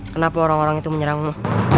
kenapa orang orang itu menyerangmu